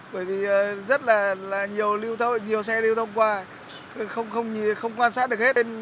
bởi vì rất là nhiều xe lưu thông qua không quan sát được hết